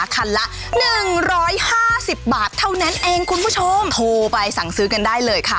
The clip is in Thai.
คันละหนึ่งร้อยห้าสิบบาทเท่านั้นเองคุณผู้ชมโทรไปสั่งซื้อกันได้เลยค่ะ